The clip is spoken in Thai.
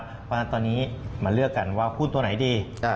เพราะฉะนั้นตอนนี้มาเลือกกันว่าหุ้นตัวไหนดี